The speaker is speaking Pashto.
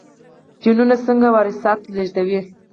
جینونه څنګه وراثت لیږدوي؟